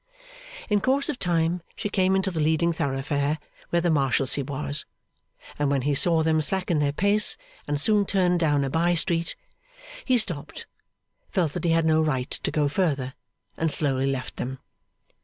In course of time she came into the leading thoroughfare where the Marshalsea was, and then he saw them slacken their pace, and soon turn down a by street. He stopped, felt that he had no right to go further, and slowly left them.